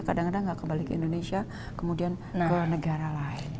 kadang kadang tidak kembali ke indonesia kemudian ke negara lain